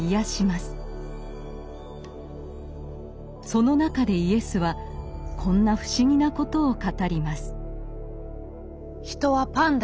その中でイエスはこんな不思議なことを語ります。